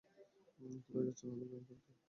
কোথায় যাচ্ছেন আদৌ জানেন তো?